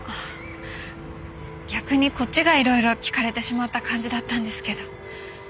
逆にこっちが色々聞かれてしまった感じだったんですけど。